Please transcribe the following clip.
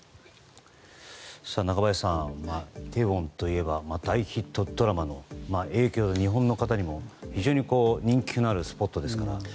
中林さん、イテウォンといえば大ヒットドラマの影響で、日本の方にも非常に人気のあるスポットですから。